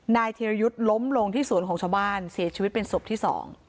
ธีรยุทธ์ล้มลงที่สวนของชาวบ้านเสียชีวิตเป็นศพที่๒